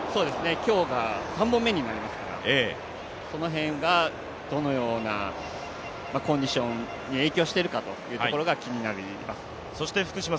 今日が３本目になりますね、その辺がどのようなコンディションに影響しているかというところが気になります。